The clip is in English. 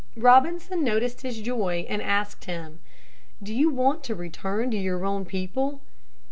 Robinson noticed his joy and asked him, "Do you want to return to your own people?"